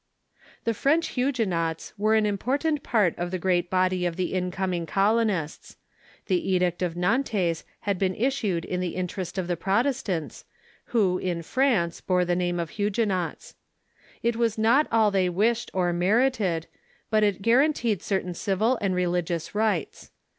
The French Huguenots were an important part of the great body of the incoming colonists. Tlie Edict of Nantes had been issued in the interest of the Protestants, who, in France, bore the name of Huguenots. It was not all they wished or merited, but it guaranteed certain civil and religious rights.